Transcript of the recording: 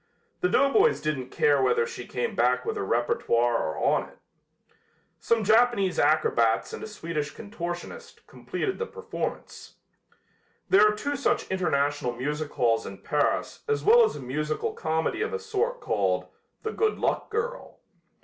The doughboys didn't care whether she came back with her repertoire or on it. Some Japanese acrobats and a Swedish contortionist completed the performance. There are two such international music halls in Paris as well as a musical comedy of a sort called "The Good Luck Girl."